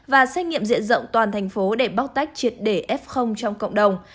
và xét nghiệm diện rộng toàn thành phố để bóc tách triệt để f trong cộng đồng